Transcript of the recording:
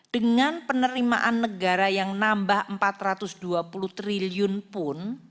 dengan penerimaan negara yang nambah rp empat ratus dua puluh triliun pun